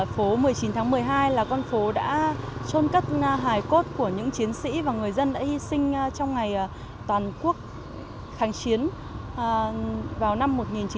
phố một mươi chín tháng một mươi hai là con phố đã trôn cất hài cốt của những chiến sĩ và người dân đã hy sinh trong ngày toàn quốc kháng chiến vào năm một nghìn chín trăm bảy mươi